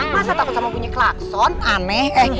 masa takut sama bunyiin klakson aneh